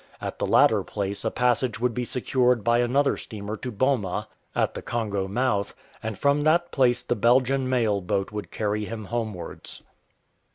At the latter place a passage would be secured by anotlicr steamer to Boma, at the Congo mouth, and from that place the Belgian mail boat would carry him homewards.